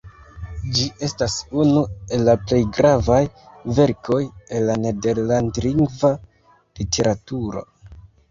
Ĝi estas unu el la plej gravaj verkoj el la nederlandlingva literaturo.